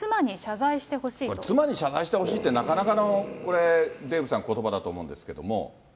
妻に謝罪してほしいって、なかなかのこれ、デーブさん、ことばだと思うんですけども。